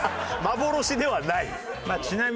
幻ではないよ。